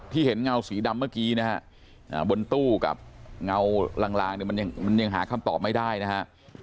ที่เห็นเงาสีดำเมื่อกี้นะครับบนตู้กับเงาลางมันยังหาคำตอบไม่ได้นะครับ